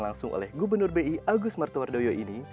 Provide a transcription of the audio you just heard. langsung oleh gubernur bi agus martowardoyo ini